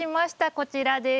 こちらです。